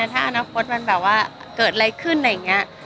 ถ้าอนาคตเกิดอะไรขึ้นอะไรอย่างงี้